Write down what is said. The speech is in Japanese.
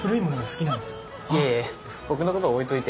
いえいえ僕の事は置いといて。